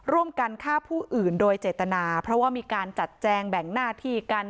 ร่วมกันฆ่าผู้อื่นโดยเจตนาเพราะว่ามีการจัดแจงแบ่งหน้าที่กัน